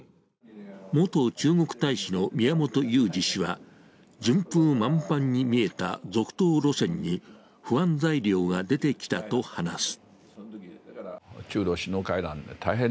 元中国大使の宮本雄二氏は、順風満帆に見えた続投路線に不安材料が出てきたと話す。